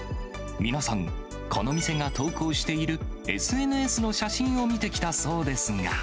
皆さん、この店が投稿しているＳＮＳの写真を見て来たそうですが。